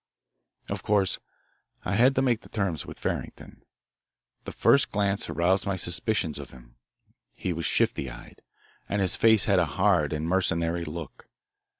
Of course I had to make the terms with Farrington. The first glance aroused my suspicions of him. He was shifty eyed, and his face had a hard and mercenary look.